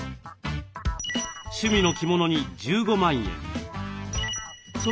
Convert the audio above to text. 趣味の着物に１５万円。